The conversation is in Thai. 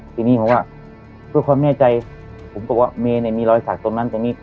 ทีนี้ผมว่าด้วยความแน่ใจผมก็บอกว่าเมย์เนี่ยมีรอยสักตรงนั้นตรงนี้